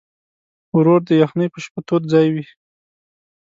ورور د یخنۍ په شپه تود ځای وي.